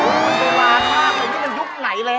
โอ้โฮมันไปหวากมากมายุ่งยุคไหนแล้ว